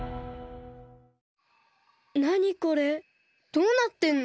どうなってんの？